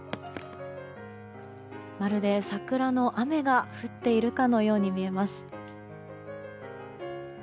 まるで桜の雨が降っているかのように見えます。